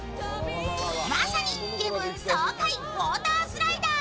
まさに気分爽快、ウォータースライダー。